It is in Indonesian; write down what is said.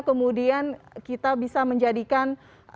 kemudian kita bisa menjadikan